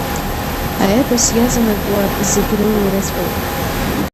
Аепос иаҵанакуа, зегь рыла ирацәоуп.